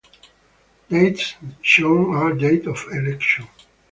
Dates shown are date of election.